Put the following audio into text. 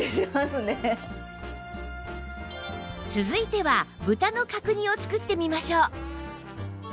続いては豚の角煮を作ってみましょう